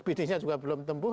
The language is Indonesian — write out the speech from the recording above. bisnisnya juga belum tumbuh